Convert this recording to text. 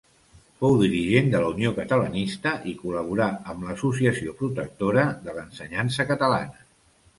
Fou dirigent de la Unió Catalanista i col·laborà amb l'Associació Protectora de l'Ensenyança Catalana.